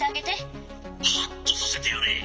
「ハッとさせてやれ。